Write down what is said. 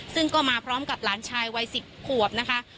ซึ่งก็มาพร้อมกับหลานชายวัย๑๐ขวบนะคะ